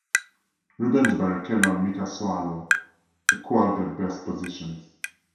Rubens Barrichello and Mika Salo equalled their best positions.